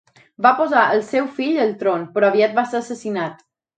Va posar el seu fill al tron, però aviat va ser assassinat.